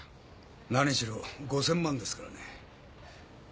なにしろ５，０００万円ですからね。